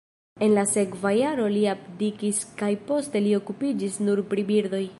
En la sekva jaro li abdikis kaj poste li okupiĝis nur pri birdoj.